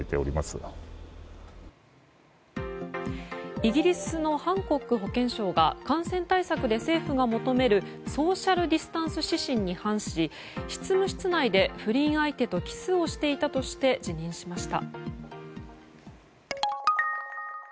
イギリスのハンコック保健相が感染対策で政府が求めるソーシャルディンスタンス指針に反し執務室内で不倫相手とキスをしていたとして辞任しました。